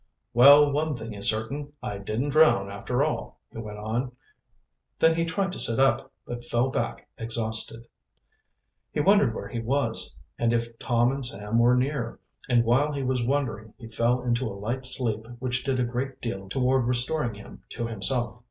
"Well, one thing is certain, I didn't drown, after all," he went on. Then he tried to sit up, but fell back exhausted. He wondered where he was, and if Tom and Sam were near, and while he was wondering he fell into a light sleep which did a great deal toward restoring him to himself.